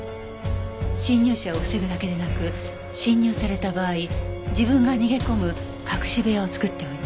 侵入者を防ぐだけでなく侵入された場合自分が逃げ込む隠し部屋を作っておいた。